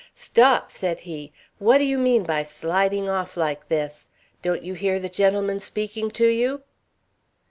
"Stop!" said he. "What do you mean by sliding off like this? Don't you hear the gentleman speaking to you?"